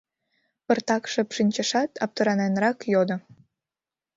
Пыртак шып шинчышат, аптыраненрак йодо: